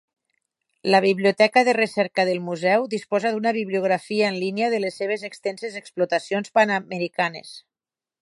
La biblioteca de recerca del Museu disposa d'una bibliografia en línia de les seves extenses explotacions Panamericanes.